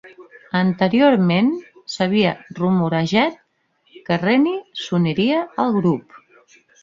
Anteriorment s'havia rumorejat que Reni s'uniria al grup.